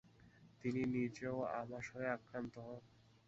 তিনি নিজেও আমাশয়ে আক্রান্ত হন।